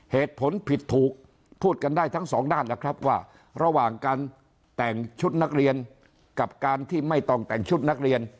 เหตุผลผิดถูกพูดกันได้ทั้งสองด้านนะครับว่าระหว่างการแต่งชุดนักเรียนกับการที่ไม่ต้องแต่งชุดนักเรียน